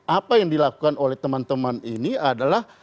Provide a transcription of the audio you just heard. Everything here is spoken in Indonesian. apa yang dilakukan oleh teman teman ini adalah